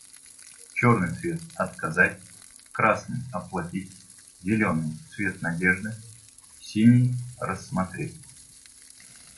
Черный цвет - "отказать", красный - "оплатить", зеленый - цвет надежды, синий - "рассмотреть".